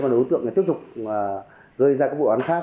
và đối tượng tiếp tục gây ra các vụ án khác